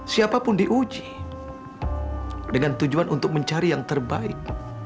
siapapun diuji dengan tujuan untuk mencari yang terbaik